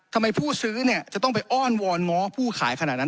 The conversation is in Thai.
ผู้ซื้อเนี่ยจะต้องไปอ้อนวอนง้อผู้ขายขนาดนั้น